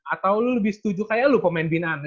atau lu lebih setuju kayak lu pemain binaan